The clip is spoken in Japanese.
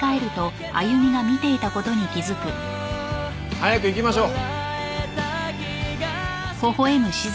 早く行きましょう。